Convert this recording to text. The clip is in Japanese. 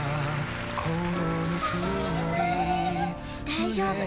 大丈夫。